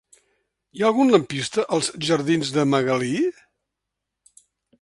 Hi ha algun lampista als jardins de Magalí?